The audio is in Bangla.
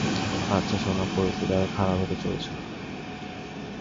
আচ্ছা, সোনা, পরিস্থিতি আরো খারাপ হতে চলেছে।